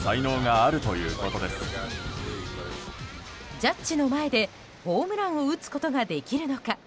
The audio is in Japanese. ジャッジの前でホームランを打つことができるのか。